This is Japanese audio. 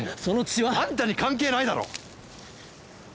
その血は。あんたに関係ないだろ！